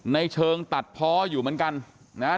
ในเชิงตัดเพาะอยู่เหมือนกันนะฮะ